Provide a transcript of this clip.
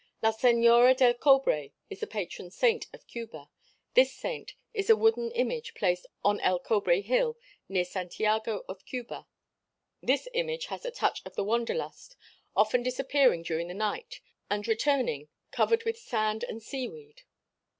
La Señora del Cobre is the patron saint of Cuba. This saint is a wooden image placed on El Cobre hill near Santiago of Cuba. This Image has a touch of the wanderlust often disappearing during the night and returning, covered with sand and sea weed.